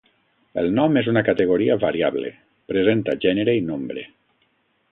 El nom és una categoria variable, presenta gènere i nombre.